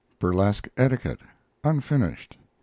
BURLESQUE ETIQUETTE (unfinished).